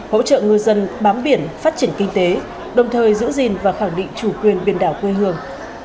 hỗ trợ ngư dân bám biển phát triển kinh tế đồng thời giữ gìn và khẳng định chủ quyền biển đảo quê hương